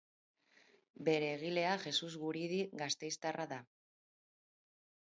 Bere egilea Jesus Guridi gasteiztarra da.